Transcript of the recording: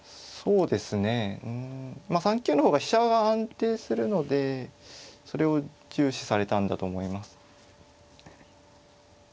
うん３九の方が飛車は安定するのでそれを重視されたんだと思います。